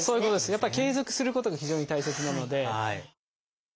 やっぱり継続することが非常に大切なので。